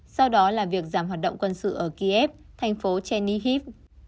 sau đó là việc giảm hoạt động quân sự ở kiev thành phố chernihiv